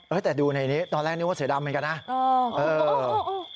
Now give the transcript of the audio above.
เอ้ยแต่ดูในนี้ตอนแรกนึกว่าเสียดำเหมือนกันนะเออเออเออ